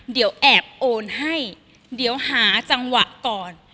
เดี๋ยวแอบโอนให้เดี๋ยวหาจังหวะก่อน